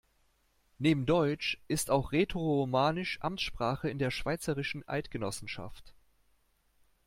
Neben Deutsch ist auch Rätoromanisch Amtssprache in der Schweizerischen Eidgenossenschaft.